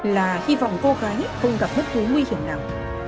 là hy vọng cô gái không gặp mất thú nguy hiểm nào